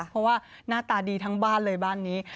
เพราะว่าหน้าตาดีทั้งบ้านเลยบ้านนี้